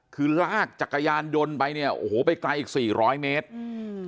คือลากจักรยานยนต์ไปเนี่ยโอ้โหไปไกลอีกสี่ร้อยเมตรอืม